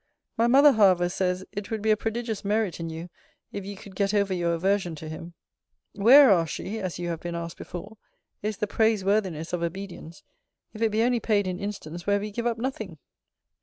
My mother, however, says, it would be a prodigious merit in you, if you could get over your aversion to him. Where, asks she [as you have been asked before], is the praise worthiness of obedience, if it be only paid in instance where we give up nothing?